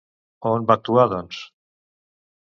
On va actuar, doncs?